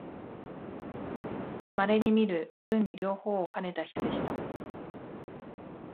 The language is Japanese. まれにみる文理両方をかねた人でした